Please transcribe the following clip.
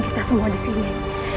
kita semua di sini